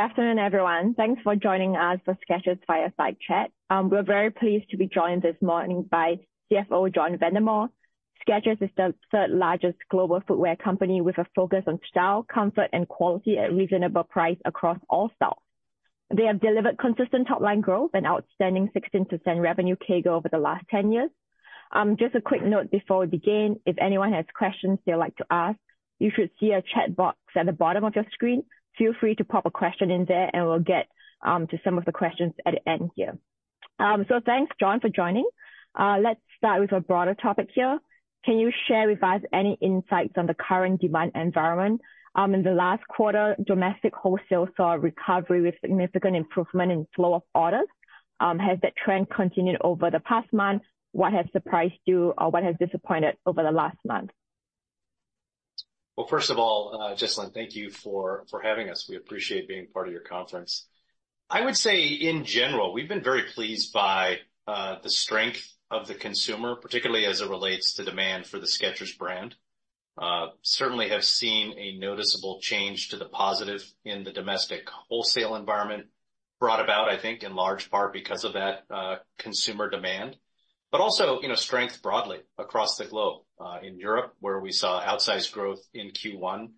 Good afternoon, everyone. Thanks for joining us for Skechers Fireside Chat. We're very pleased to be joined this morning by CFO John Vandemore. Skechers is the third-largest global footwear company with a focus on style, comfort, and quality at a reasonable price across all styles. They have delivered consistent top-line growth and outstanding 16% revenue CAGR over the last 10 years. Just a quick note before we begin: if anyone has questions they'd like to ask, you should see a chat box at the bottom of your screen. Feel free to pop a question in there, and we'll get to some of the questions at the end here. So thanks, John, for joining. Let's start with a broader topic here. Can you share with us any insights on the current demand environment? In the last quarter, domestic wholesale saw a recovery with significant improvement in flow of orders. Has that trend continued over the past month? What has surprised you, or what has disappointed over the last month? Well, first of all, Jesalyn, thank you for having us. We appreciate being part of your conference. I would say, in general, we've been very pleased by the strength of the consumer, particularly as it relates to demand for the Skechers brand. Certainly, we have seen a noticeable change to the positive in the domestic wholesale environment, brought about, I think, in large part because of that consumer demand, but also strength broadly across the globe. In Europe, where we saw outsized growth in Q1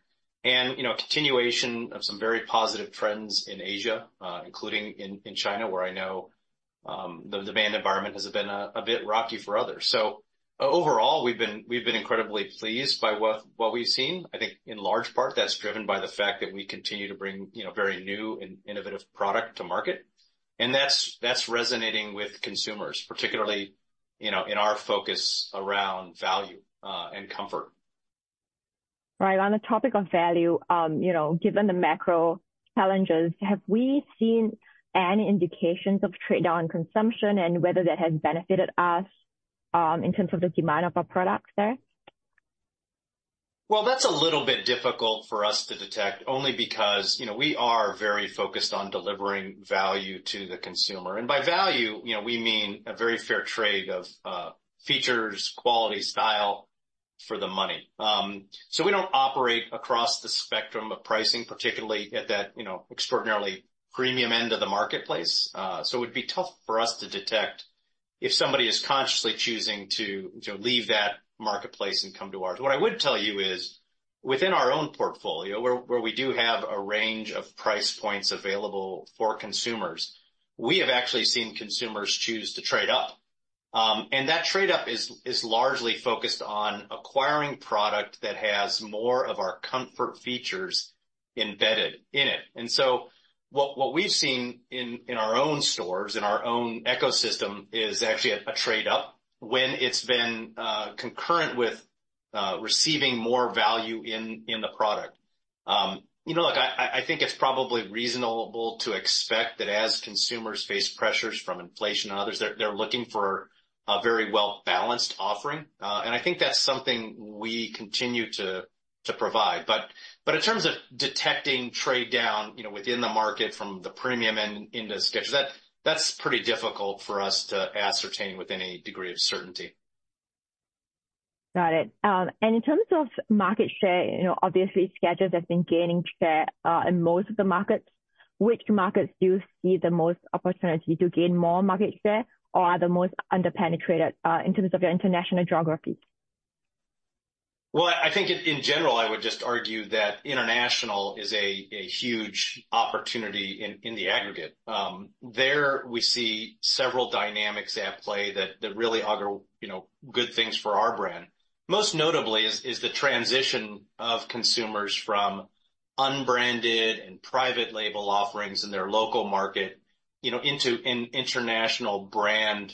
and continuation of some very positive trends in Asia, including in China, where I know the demand environment has been a bit rocky for others. So overall, we've been incredibly pleased by what we've seen. I think, in large part, that's driven by the fact that we continue to bring very new and innovative product to market, and that's resonating with consumers, particularly in our focus around value and comfort. Right. On the topic of value, given the macro challenges, have we seen any indications of trade-off in consumption and whether that has benefited us in terms of the demand of our products there? Well, that's a little bit difficult for us to detect only because we are very focused on delivering value to the consumer. By value, we mean a very fair trade of features, quality, style for the money. We don't operate across the spectrum of pricing, particularly at that extraordinarily premium end of the marketplace. It would be tough for us to detect if somebody is consciously choosing to leave that marketplace and come to ours. What I would tell you is, within our own portfolio, where we do have a range of price points available for consumers, we have actually seen consumers choose to trade up. That trade-up is largely focused on acquiring product that has more of our comfort features embedded in it. What we've seen in our own stores, in our own ecosystem, is actually a trade-up when it's been concurrent with receiving more value in the product. I think it's probably reasonable to expect that as consumers face pressures from inflation and others, they're looking for a very well-balanced offering. I think that's something we continue to provide. But in terms of detecting trade-down within the market from the premium end into Skechers, that's pretty difficult for us to ascertain with any degree of certainty. Got it. And in terms of market share, obviously, Skechers has been gaining share in most of the markets. Which markets do you see the most opportunity to gain more market share, or are the most under-penetrated in terms of your international geography? Well, I think, in general, I would just argue that international is a huge opportunity in the aggregate. There, we see several dynamics at play that really augur good things for our brand. Most notably is the transition of consumers from unbranded and private label offerings in their local market into an international brand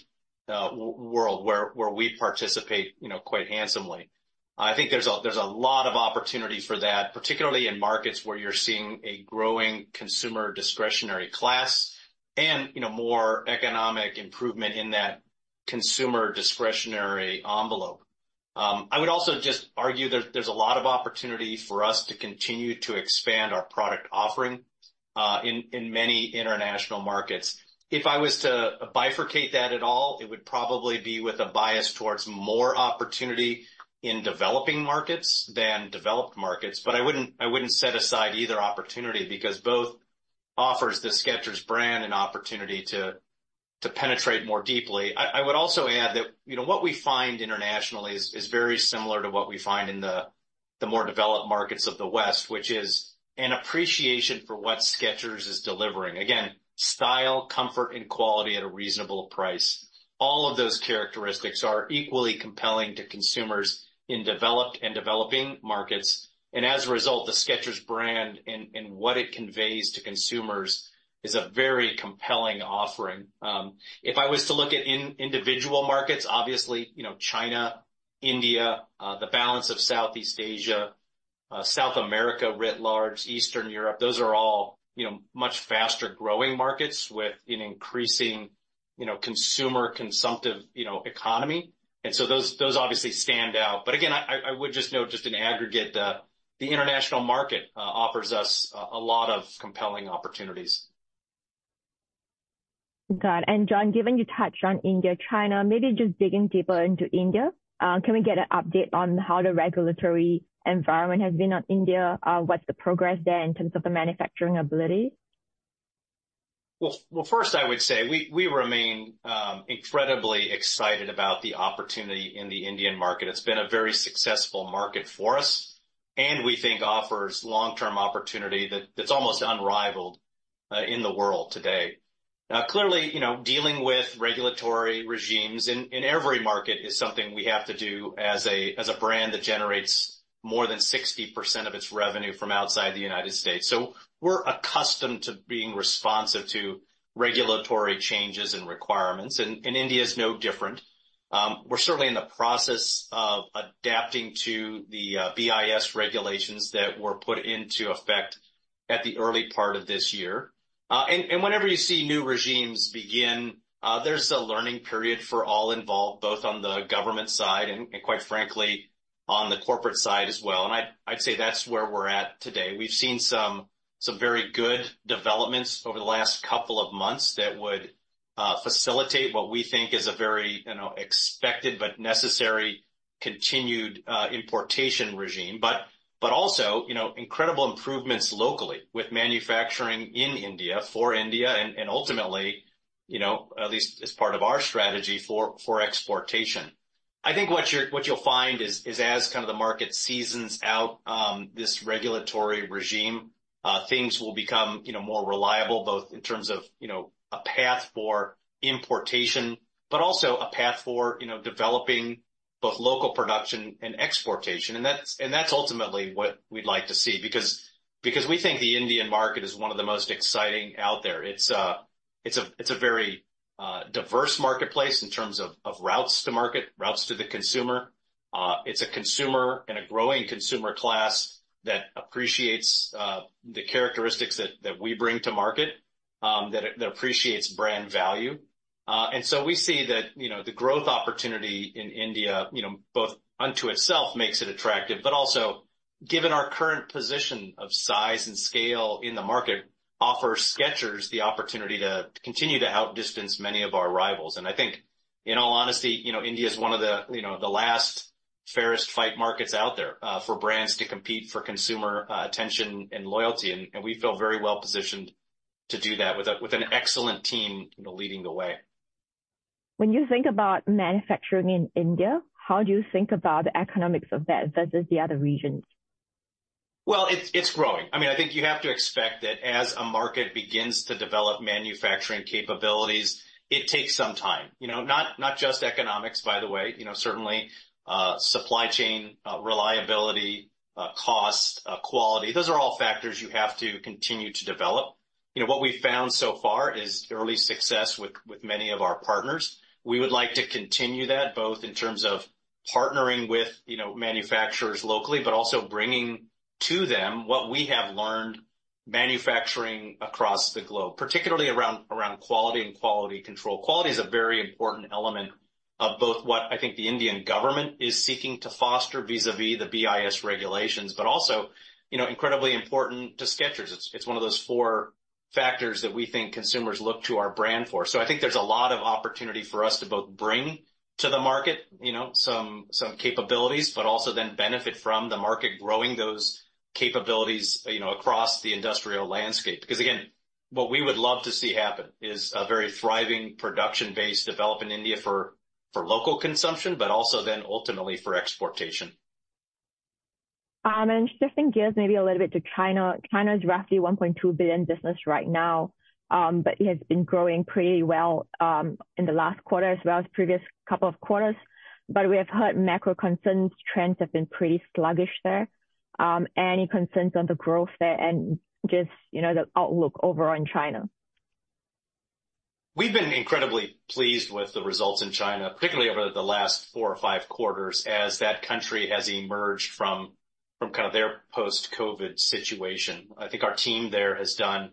world where we participate quite handsomely. I think there's a lot of opportunity for that, particularly in markets where you're seeing a growing consumer discretionary class and more economic improvement in that consumer discretionary envelope. I would also just argue there's a lot of opportunity for us to continue to expand our product offering in many international markets. If I was to bifurcate that at all, it would probably be with a bias towards more opportunity in developing markets than developed markets. But I wouldn't set aside either opportunity because both offer the Skechers brand an opportunity to penetrate more deeply. I would also add that what we find internationally is very similar to what we find in the more developed markets of the West, which is an appreciation for what Skechers is delivering. Again, style, comfort, and quality at a reasonable price. All of those characteristics are equally compelling to consumers in developed and developing markets. And as a result, the Skechers brand and what it conveys to consumers is a very compelling offering. If I was to look at individual markets, obviously, China, India, the balance of Southeast Asia, South America writ large, Eastern Europe, those are all much faster-growing markets with an increasing consumer consumptive economy. And so those obviously stand out. But again, I would just note just in aggregate, the international market offers us a lot of compelling opportunities. Got it. And John, given you touched on India and China, maybe just digging deeper into India, can we get an update on how the regulatory environment has been in India? What's the progress there in terms of the manufacturing ability? Well, first, I would say we remain incredibly excited about the opportunity in the Indian market. It's been a very successful market for us, and we think offers long-term opportunity that's almost unrivaled in the world today. Now, clearly, dealing with regulatory regimes in every market is something we have to do as a brand that generates more than 60% of its revenue from outside the United States. So we're accustomed to being responsive to regulatory changes and requirements, and India is no different. We're certainly in the process of adapting to the BIS regulations that were put into effect at the early part of this year. And whenever you see new regimes begin, there's a learning period for all involved, both on the government side and, quite frankly, on the corporate side as well. And I'd say that's where we're at today. We've seen some very good developments over the last couple of months that would facilitate what we think is a very expected but necessary continued importation regime, but also incredible improvements locally with manufacturing in India for India and ultimately, at least as part of our strategy for exportation. I think what you'll find is, as kind of the market seasons out this regulatory regime, things will become more reliable both in terms of a path for importation, but also a path for developing both local production and exportation. And that's ultimately what we'd like to see because we think the Indian market is one of the most exciting out there. It's a very diverse marketplace in terms of routes to market, routes to the consumer. It's a consumer and a growing consumer class that appreciates the characteristics that we bring to market, that appreciates brand value. And so we see that the growth opportunity in India, both unto itself, makes it attractive, but also, given our current position of size and scale in the market, offers Skechers the opportunity to continue to outdistance many of our rivals. And I think, in all honesty, India is one of the last fairest fight markets out there for brands to compete for consumer attention and loyalty. And we feel very well positioned to do that with an excellent team leading the way. When you think about manufacturing in India, how do you think about the economics of that versus the other regions? Well, it's growing. I mean, I think you have to expect that as a market begins to develop manufacturing capabilities, it takes some time. Not just economics, by the way. Certainly, supply chain reliability, cost, quality, those are all factors you have to continue to develop. What we've found so far is early success with many of our partners. We would like to continue that both in terms of partnering with manufacturers locally, but also bringing to them what we have learned manufacturing across the globe, particularly around quality and quality control. Quality is a very important element of both what I think the Indian government is seeking to foster vis-à-vis the BIS regulations, but also incredibly important to Skechers. It's one of those four factors that we think consumers look to our brand for. I think there's a lot of opportunity for us to both bring to the market some capabilities, but also then benefit from the market growing those capabilities across the industrial landscape. Because, again, what we would love to see happen is a very thriving production base developed in India for local consumption, but also then ultimately for exportation. Shifting gears maybe a little bit to China. China is roughly a $1.2 billion business right now, but it has been growing pretty well in the last quarter as well as previous couple of quarters. But we have heard macro concerns. Trends have been pretty sluggish there. Any concerns on the growth there and just the outlook overall in China? We've been incredibly pleased with the results in China, particularly over the last four or five quarters, as that country has emerged from kind of their post-COVID situation. I think our team there has done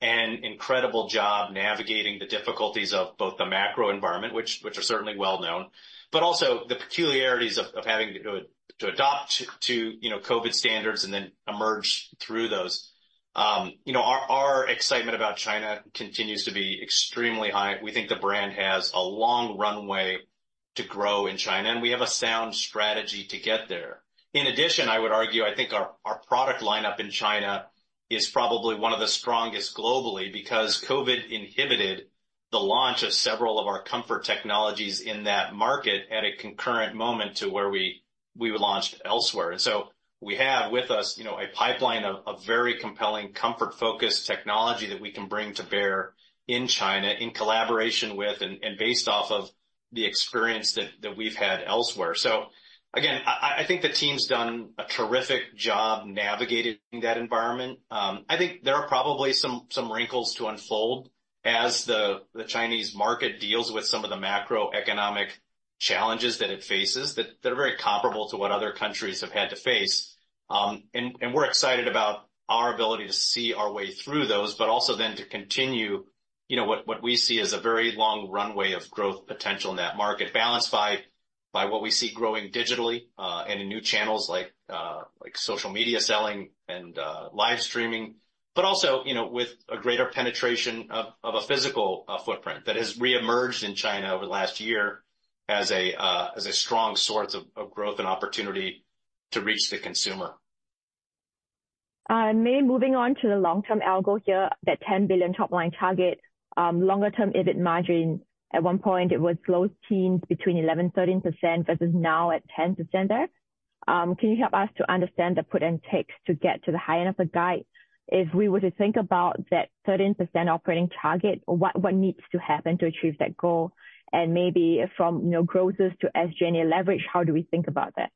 an incredible job navigating the difficulties of both the macro environment, which are certainly well-known, but also the peculiarities of having to adopt to COVID standards and then emerge through those. Our excitement about China continues to be extremely high. We think the brand has a long runway to grow in China, and we have a sound strategy to get there. In addition, I would argue, I think our product lineup in China is probably one of the strongest globally because COVID inhibited the launch of several of our comfort technologies in that market at a concurrent moment to where we launched elsewhere. And so we have with us a pipeline of very compelling comfort-focused technology that we can bring to bear in China in collaboration with and based off of the experience that we've had elsewhere. So again, I think the team's done a terrific job navigating that environment. I think there are probably some wrinkles to unfold as the Chinese market deals with some of the macroeconomic challenges that it faces that are very comparable to what other countries have had to face. We're excited about our ability to see our way through those, but also then to continue what we see as a very long runway of growth potential in that market, balanced by what we see growing digitally and in new channels like social media selling and live streaming, but also with a greater penetration of a physical footprint that has reemerged in China over the last year as a strong source of growth and opportunity to reach the consumer. Maybe moving on to the long-term goal here, that $10 billion top-line target, longer-term EBIT margin. At one point, it was low teens between 11%-13% versus now at 10% there. Can you help us to understand the put and take to get to the high end of the guide? If we were to think about that 13% operating target, what needs to happen to achieve that goal? And maybe from growth to SG&A leverage, how do we think about that?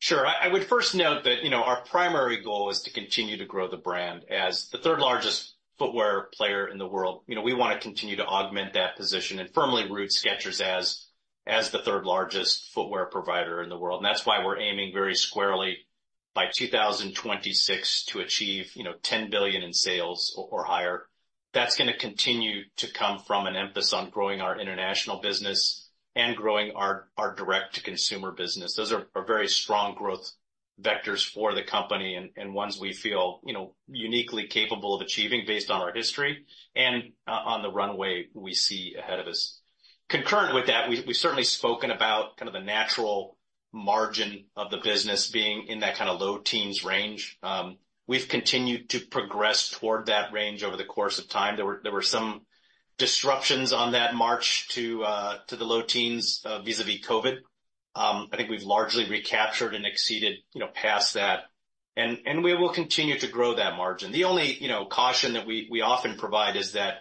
Sure. I would first note that our primary goal is to continue to grow the brand as the third-largest footwear player in the world. We want to continue to augment that position and firmly root Skechers as the third-largest footwear provider in the world. And that's why we're aiming very squarely by 2026 to achieve $10 billion in sales or higher. That's going to continue to come from an emphasis on growing our international business and growing our direct-to-consumer business. Those are very strong growth vectors for the company and ones we feel uniquely capable of achieving based on our history and on the runway we see ahead of us. Concurrent with that, we've certainly spoken about kind of the natural margin of the business being in that kind of low teens range. We've continued to progress toward that range over the course of time. There were some disruptions on that march to the low teens vis-à-vis COVID. I think we've largely recaptured and exceeded past that. We will continue to grow that margin. The only caution that we often provide is that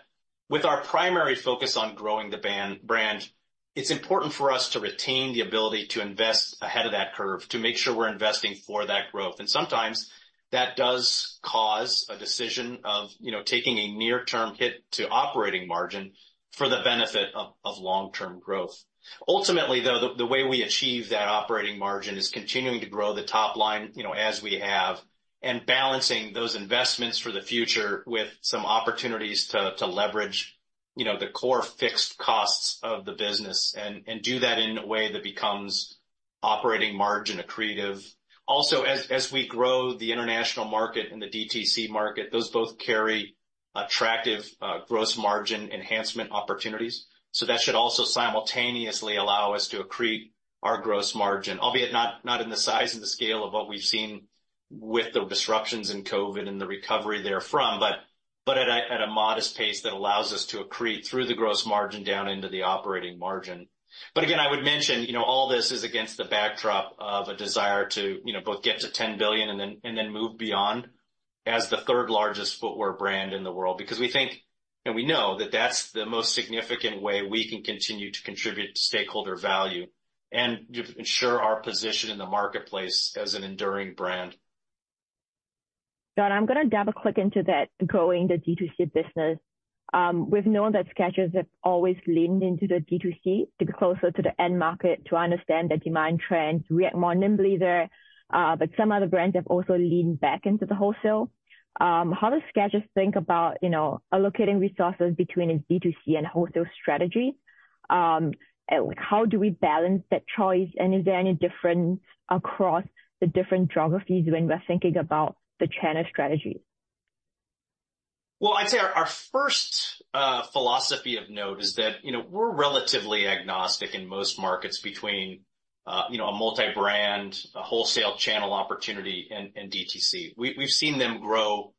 with our primary focus on growing the brand, it's important for us to retain the ability to invest ahead of that curve to make sure we're investing for that growth. Sometimes that does cause a decision of taking a near-term hit to operating margin for the benefit of long-term growth. Ultimately, though, the way we achieve that operating margin is continuing to grow the top line as we have and balancing those investments for the future with some opportunities to leverage the core fixed costs of the business and do that in a way that becomes operating margin accretive. Also, as we grow the international market and the DTC market, those both carry attractive gross margin enhancement opportunities. So that should also simultaneously allow us to accrete our gross margin, albeit not in the size and the scale of what we've seen with the disruptions in COVID and the recovery therefrom, but at a modest pace that allows us to accrete through the gross margin down into the operating margin. But again, I would mention all this is against the backdrop of a desire to both get to $10 billion and then move beyond as the third-largest footwear brand in the world because we think and we know that that's the most significant way we can continue to contribute to stakeholder value and ensure our position in the marketplace as an enduring brand. John, I'm going to dive quickly into that, growing the DTC business. We've known that Skechers have always leaned into the DTC to be closer to the end market to understand the demand trends, react more nimbly there. But some other brands have also leaned back into the wholesale. How do Skechers think about allocating resources between a DTC and wholesale strategy? How do we balance that choice? And is there any difference across the different geographies when we're thinking about the China strategy? Well, I'd say our first philosophy of note is that we're relatively agnostic in most markets between a multi-brand, a wholesale channel opportunity, and DTC. We've seen them grow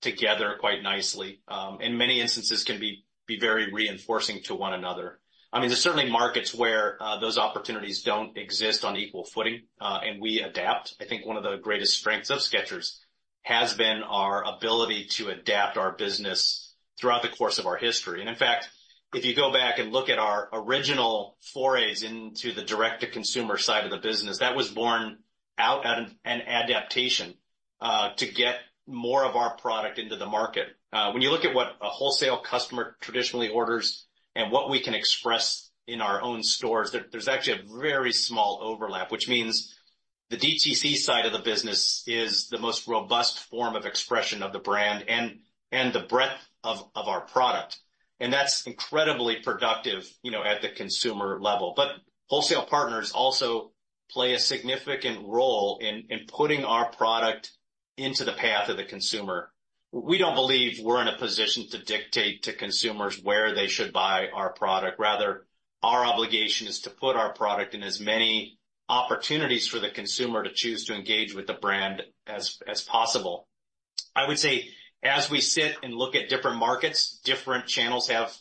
together quite nicely. In many instances, can be very reinforcing to one another. I mean, there's certainly markets where those opportunities don't exist on equal footing, and we adapt. I think one of the greatest strengths of Skechers has been our ability to adapt our business throughout the course of our history. In fact, if you go back and look at our original forays into the direct-to-consumer side of the business, that was born out of an adaptation to get more of our product into the market. When you look at what a wholesale customer traditionally orders and what we can express in our own stores, there's actually a very small overlap, which means the DTC side of the business is the most robust form of expression of the brand and the breadth of our product. That's incredibly productive at the consumer level. Wholesale partners also play a significant role in putting our product into the path of the consumer. We don't believe we're in a position to dictate to consumers where they should buy our product. Rather, our obligation is to put our product in as many opportunities for the consumer to choose to engage with the brand as possible. I would say as we sit and look at different markets, different channels have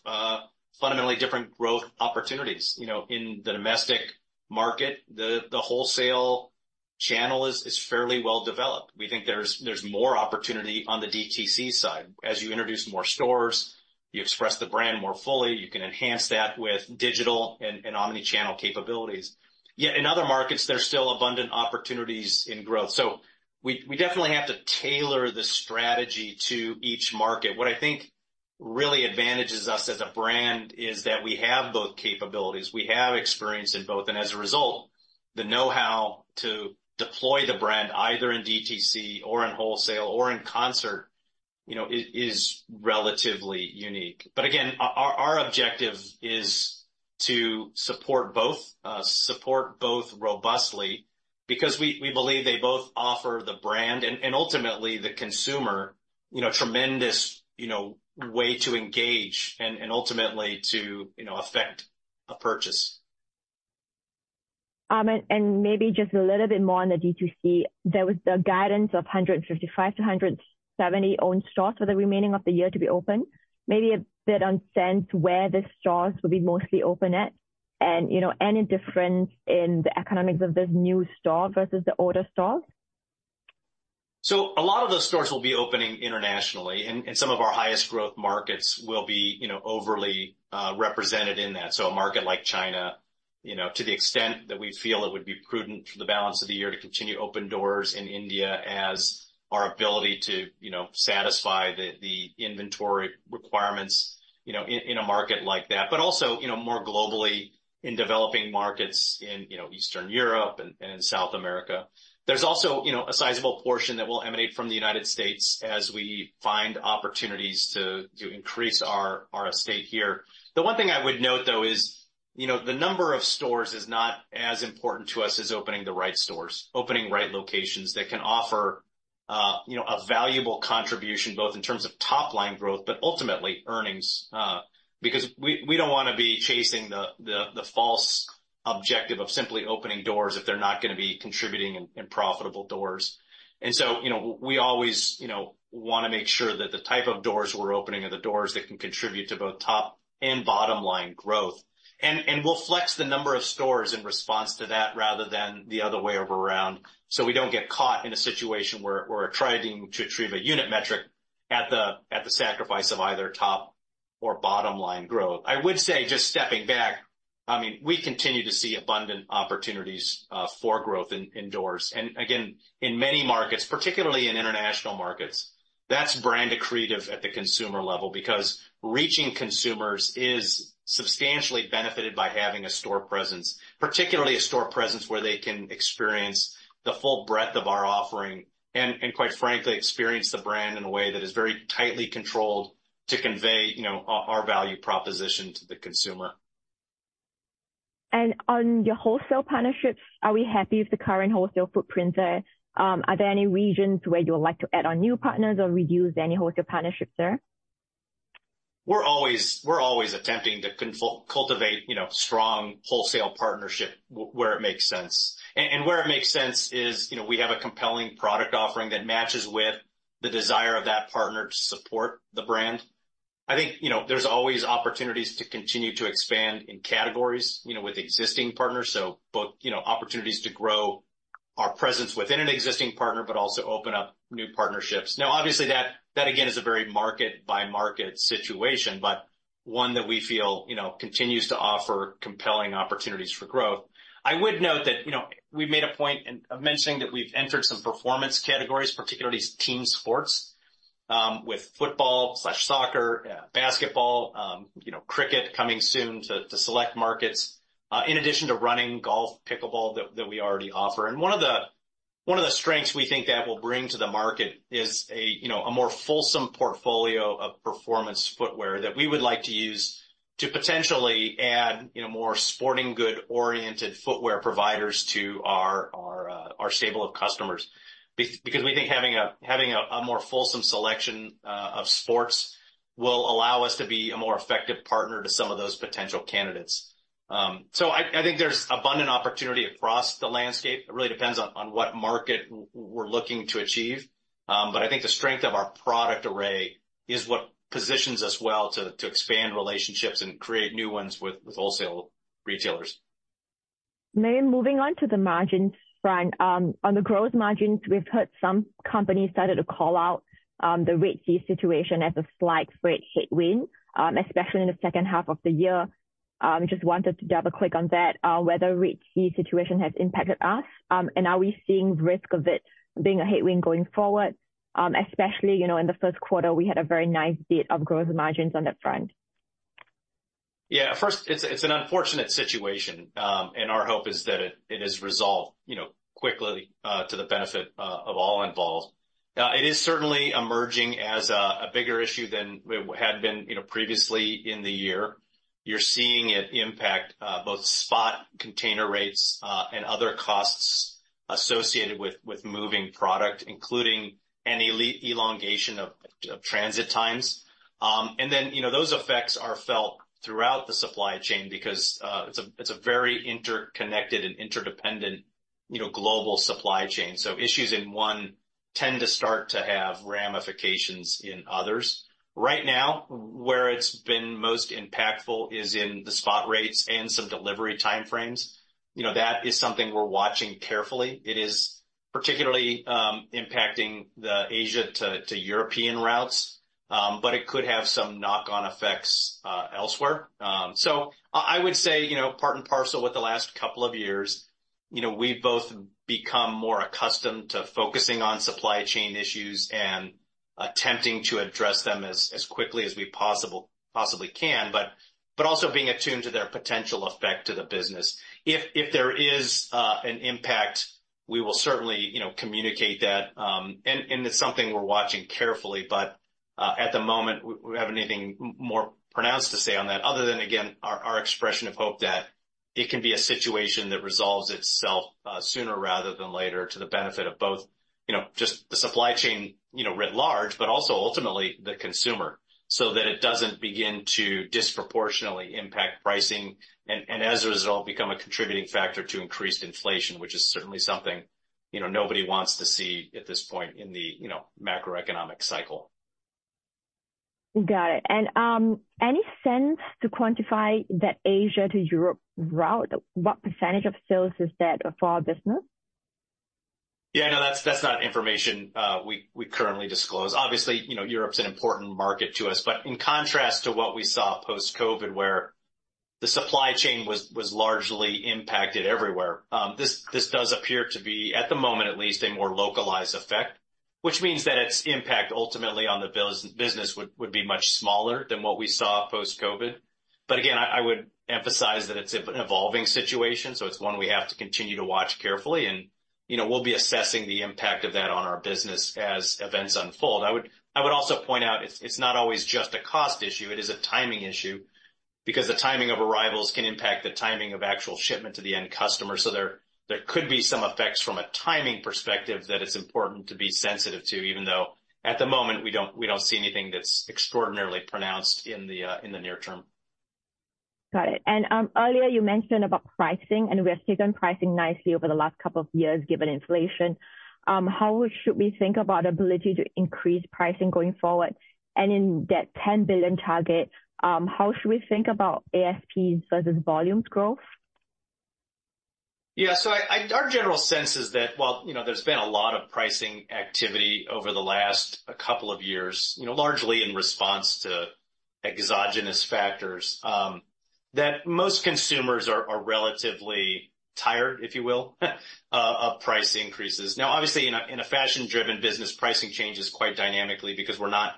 fundamentally different growth opportunities. In the domestic market, the wholesale channel is fairly well developed. We think there's more opportunity on the DTC side. As you introduce more stores, you express the brand more fully. You can enhance that with digital and omnichannel capabilities. Yet in other markets, there's still abundant opportunities in growth. So we definitely have to tailor the strategy to each market. What I think really advantages us as a brand is that we have both capabilities. We have experience in both. And as a result, the know-how to deploy the brand either in DTC or in wholesale or in concert is relatively unique. But again, our objective is to support both, support both robustly because we believe they both offer the brand and ultimately the consumer a tremendous way to engage and ultimately to affect a purchase. Maybe just a little bit more on the DTC. There was the guidance of 155-170 owned stores for the remaining of the year to be open. Maybe a bit on since where the stores will be mostly open at and any difference in the economics of this new store versus the older stores? So a lot of those stores will be opening internationally, and some of our highest growth markets will be overly represented in that. So a market like China, to the extent that we feel it would be prudent for the balance of the year to continue open doors in India as our ability to satisfy the inventory requirements in a market like that, but also more globally in developing markets in Eastern Europe and in South America. There's also a sizable portion that will emanate from the United States as we find opportunities to increase our estate here. The one thing I would note, though, is the number of stores is not as important to us as opening the right stores, opening right locations that can offer a valuable contribution both in terms of top-line growth, but ultimately earnings, because we don't want to be chasing the false objective of simply opening doors if they're not going to be contributing in profitable doors. And so we always want to make sure that the type of doors we're opening are the doors that can contribute to both top and bottom-line growth. And we'll flex the number of stores in response to that rather than the other way around so we don't get caught in a situation where we're trying to achieve a unit metric at the sacrifice of either top or bottom-line growth. I would say just stepping back, I mean, we continue to see abundant opportunities for growth indoors. And again, in many markets, particularly in international markets, that's brand accretive at the consumer level because reaching consumers is substantially benefited by having a store presence, particularly a store presence where they can experience the full breadth of our offering and quite frankly, experience the brand in a way that is very tightly controlled to convey our value proposition to the consumer. On your wholesale partnerships, are we happy with the current wholesale footprint there? Are there any regions where you would like to add on new partners or reduce any wholesale partnerships there? We're always attempting to cultivate strong wholesale partnerships where it makes sense. Where it makes sense is we have a compelling product offering that matches with the desire of that partner to support the brand. I think there's always opportunities to continue to expand in categories with existing partners. Both opportunities to grow our presence within an existing partner, but also open up new partnerships. Now, obviously, that again is a very market-by-market situation, but one that we feel continues to offer compelling opportunities for growth. I would note that we made a point of mentioning that we've entered some performance categories, particularly team sports with football/soccer, basketball, cricket coming soon to select markets, in addition to running, golf, pickleball that we already offer. One of the strengths we think that will bring to the market is a more fulsome portfolio of performance footwear that we would like to use to potentially add more sporting goods-oriented footwear providers to our stable of customers because we think having a more fulsome selection of sports will allow us to be a more effective partner to some of those potential candidates. So I think there's abundant opportunity across the landscape. It really depends on what market we're looking to achieve. But I think the strength of our product array is what positions us well to expand relationships and create new ones with wholesale retailers. Maybe moving on to the margin front. On the gross margins, we've heard some companies started to call out the rate situation as a slight rate headwind, especially in the H2 of the year. Just wanted to double-click on that, whether rate situation has impacted us and are we seeing risk of it being a headwind going forward. Especially in the Q1, we had a very nice bit of gross margins on that front. Yeah. First, it's an unfortunate situation, and our hope is that it is resolved quickly to the benefit of all involved. It is certainly emerging as a bigger issue than it had been previously in the year. You're seeing it impact both spot container rates and other costs associated with moving product, including any elongation of transit times. And then those effects are felt throughout the supply chain because it's a very interconnected and interdependent global supply chain. So issues in one tend to start to have ramifications in others. Right now, where it's been most impactful is in the spot rates and some delivery timeframes. That is something we're watching carefully. It is particularly impacting the Asia to Europe routes, but it could have some knock-on effects elsewhere. I would say part and parcel with the last couple of years, we've both become more accustomed to focusing on supply chain issues and attempting to address them as quickly as we possibly can, but also being attuned to their potential effect to the business. If there is an impact, we will certainly communicate that. It's something we're watching carefully, but at the moment, we don't have anything more pronounced to say on that other than, again, our expression of hope that it can be a situation that resolves itself sooner rather than later to the benefit of both just the supply chain writ large, but also ultimately the consumer so that it doesn't begin to disproportionately impact pricing and as a result, become a contributing factor to increased inflation, which is certainly something nobody wants to see at this point in the macroeconomic cycle. Got it. And any sense to quantify that Asia to Europe route? What percentage of sales is that for our business? Yeah, no, that's not information we currently disclose. Obviously, Europe's an important market to us, but in contrast to what we saw post-COVID, where the supply chain was largely impacted everywhere, this does appear to be, at the moment at least, a more localized effect, which means that its impact ultimately on the business would be much smaller than what we saw post-COVID. But again, I would emphasize that it's an evolving situation. So it's one we have to continue to watch carefully, and we'll be assessing the impact of that on our business as events unfold. I would also point out it's not always just a cost issue. It is a timing issue because the timing of arrivals can impact the timing of actual shipment to the end customer. There could be some effects from a timing perspective that it's important to be sensitive to, even though at the moment, we don't see anything that's extraordinarily pronounced in the near term. Got it. And earlier, you mentioned about pricing, and we have taken pricing nicely over the last couple of years given inflation. How should we think about the ability to increase pricing going forward? And in that $10 billion target, how should we think about ASPs versus volumes growth? Yeah. So our general sense is that, well, there's been a lot of pricing activity over the last couple of years, largely in response to exogenous factors, that most consumers are relatively tired, if you will, of price increases. Now, obviously, in a fashion-driven business, pricing changes quite dynamically because we're not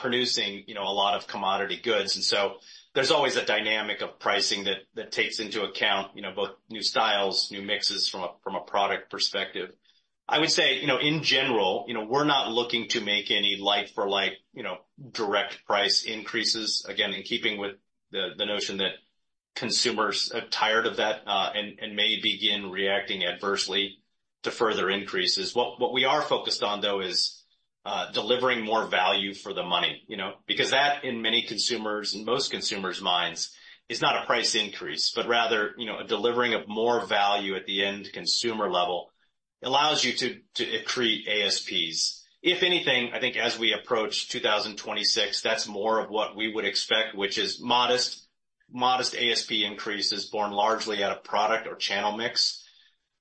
producing a lot of commodity goods. And so there's always a dynamic of pricing that takes into account both new styles, new mixes from a product perspective. I would say, in general, we're not looking to make any like-for-like direct price increases, again, in keeping with the notion that consumers are tired of that and may begin reacting adversely to further increases. What we are focused on, though, is delivering more value for the money because that, in many consumers' and most consumers' minds, is not a price increase, but rather a delivering of more value at the end consumer level allows you to accrete ASPs. If anything, I think as we approach 2026, that's more of what we would expect, which is modest ASP increases born largely out of product or channel mix.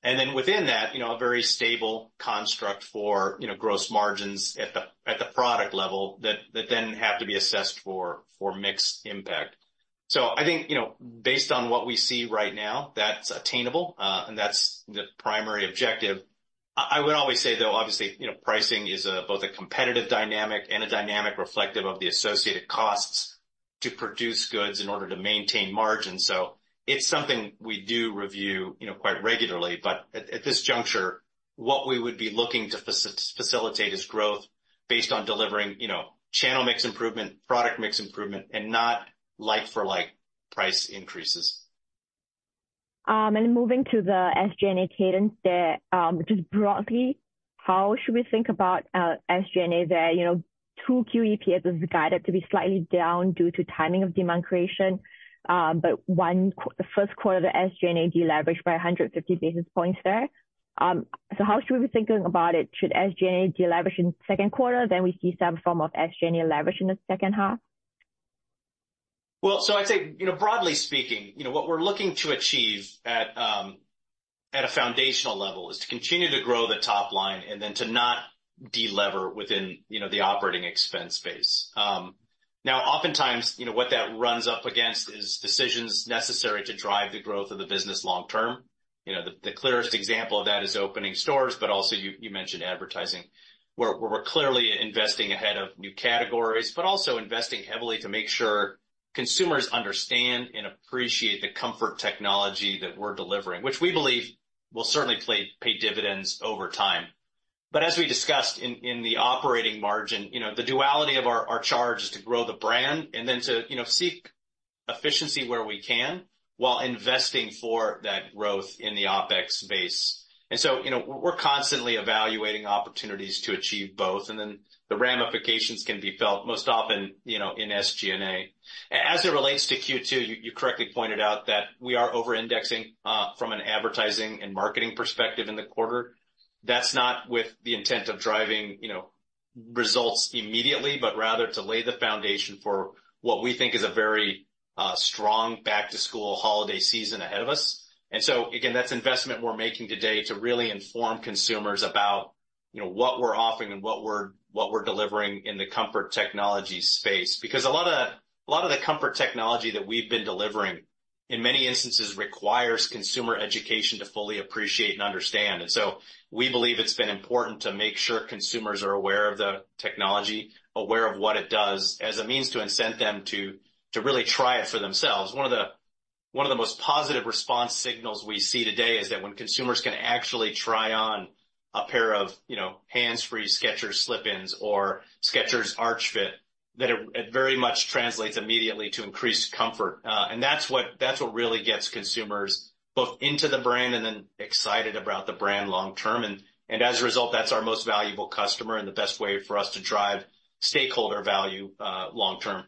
And then within that, a very stable construct for gross margins at the product level that then have to be assessed for mixed impact. So I think based on what we see right now, that's attainable, and that's the primary objective. I would always say, though, obviously, pricing is both a competitive dynamic and a dynamic reflective of the associated costs to produce goods in order to maintain margins. So it's something we do review quite regularly. But at this juncture, what we would be looking to facilitate is growth based on delivering channel mix improvement, product mix improvement, and not like-for-like price increases. Moving to the SG&A cadence there, just broadly, how should we think about SG&A there? 2Q EPS are guided to be slightly down due to timing of demand creation, but in Q1 of the SG&A deleveraged by 150 basis points there. So how should we be thinking about it? Should SG&A deleverage in the Q2? Then we see some form of SG&A leverage in the H2? Well, so I think broadly speaking, what we're looking to achieve at a foundational level is to continue to grow the top line and then to not delever within the operating expense space. Now, oftentimes, what that runs up against is decisions necessary to drive the growth of the business long term. The clearest example of that is opening stores, but also you mentioned advertising, where we're clearly investing ahead of new categories, but also investing heavily to make sure consumers understand and appreciate the comfort technology that we're delivering, which we believe will certainly pay dividends over time. But as we discussed in the operating margin, the duality of our charge is to grow the brand and then to seek efficiency where we can while investing for that growth in the OPEX base. We're constantly evaluating opportunities to achieve both, and then the ramifications can be felt most often in SG&A. As it relates to Q2, you correctly pointed out that we are over-indexing from an advertising and marketing perspective in the quarter. That's not with the intent of driving results immediately, but rather to lay the foundation for what we think is a very strong back-to-school holiday season ahead of us. Again, that's investment we're making today to really inform consumers about what we're offering and what we're delivering in the comfort technology space because a lot of the comfort technology that we've been delivering, in many instances, requires consumer education to fully appreciate and understand. We believe it's been important to make sure consumers are aware of the technology, aware of what it does as a means to incent them to really try it for themselves. One of the most positive response signals we see today is that when consumers can actually try on a pair of Skechers Hands Free Slip-ins or Skechers Arch Fit, that it very much translates immediately to increased comfort. And that's what really gets consumers both into the brand and then excited about the brand long term. And as a result, that's our most valuable customer and the best way for us to drive stakeholder value long term.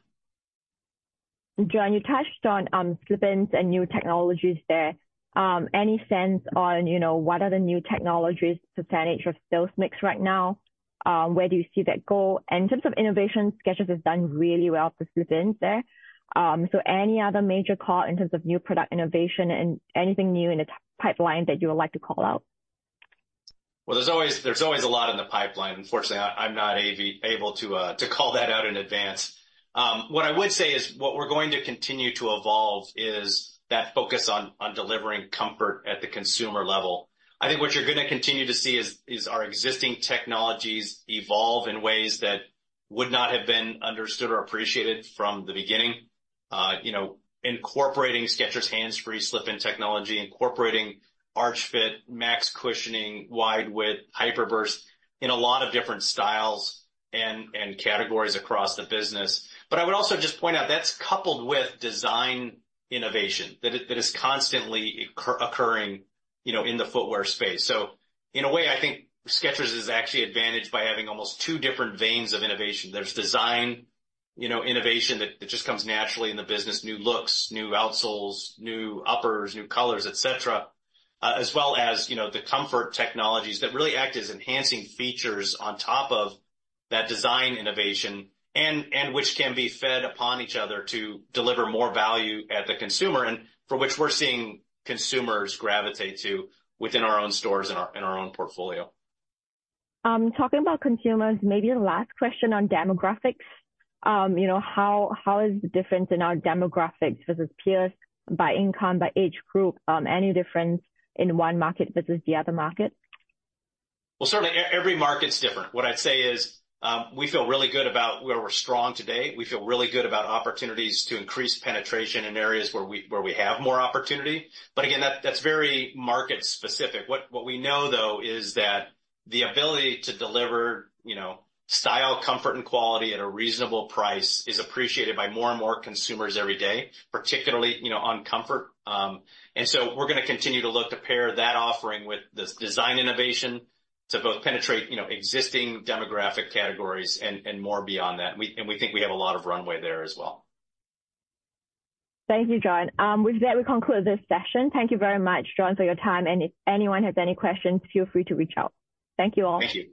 John, you touched on slip-ins and new technologies there. Any sense on what are the new technologies percentage of sales mix right now? Where do you see that go? In terms of innovation, Skechers has done really well for slip-ins there. So any other major call in terms of new product innovation and anything new in the pipeline that you would like to call out? Well, there's always a lot in the pipeline. Unfortunately, I'm not able to call that out in advance. What I would say is what we're going to continue to evolve is that focus on delivering comfort at the consumer level. I think what you're going to continue to see is our existing technologies evolve in ways that would not have been understood or appreciated from the beginning, incorporating Skechers Hands Free Slip-ins technology, incorporating Skechers Arch Fit, Skechers Max Cushioning, wide width, Skechers Hyper Burst in a lot of different styles and categories across the business. But I would also just point out that's coupled with design innovation that is constantly occurring in the footwear space. So in a way, I think Skechers is actually advantaged by having almost two different veins of innovation. There's design innovation that just comes naturally in the business: new looks, new outsoles, new uppers, new colors, etc., as well as the comfort technologies that really act as enhancing features on top of that design innovation, and which can be fed upon each other to deliver more value at the consumer, and for which we're seeing consumers gravitate to within our own stores and our own portfolio. Talking about consumers, maybe a last question on demographics. How is the difference in our demographics versus peers by income, by age group? Any difference in one market versus the other market? Well, certainly, every market's different. What I'd say is we feel really good about where we're strong today. We feel really good about opportunities to increase penetration in areas where we have more opportunity. But again, that's very market-specific. What we know, though, is that the ability to deliver style, comfort, and quality at a reasonable price is appreciated by more and more consumers every day, particularly on comfort. And so we're going to continue to look to pair that offering with this design innovation to both penetrate existing demographic categories and more beyond that. And we think we have a lot of runway there as well. Thank you, John. With that, we conclude this session. Thank you very much, John, for your time. If anyone has any questions, feel free to reach out. Thank you all.